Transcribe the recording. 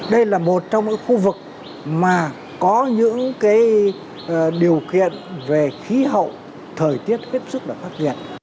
đây là một trong những khu vực mà có những cái điều kiện về khí hậu thời tiết tiếp xúc và phát triển